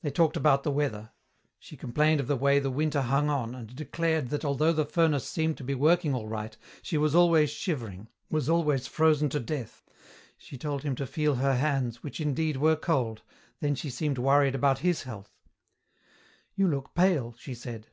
They talked about the weather. She complained of the way the winter hung on, and declared that although the furnace seemed to be working all right she was always shivering, was always frozen to death. She told him to feel her hands, which indeed were cold, then she seemed worried about his health. "You look pale," she said.